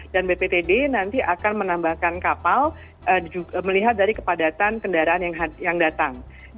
bptd nanti akan menambahkan kapal melihat dari kepadatan kendaraan yang datang